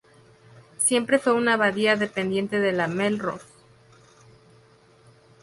Siempre fue una abadía dependiente de la de Melrose.